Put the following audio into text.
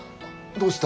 どうした？